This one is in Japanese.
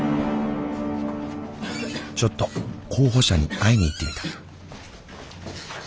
ちょっと候補者に会いに行ってみた。